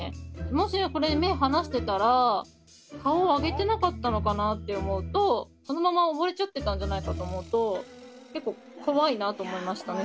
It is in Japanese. もしこれで目を離してたら顔を上げてなかったのかなって思うとそのまま溺れちゃってたんじゃないかと思うと結構怖いなと思いましたね